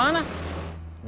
uh di nuingin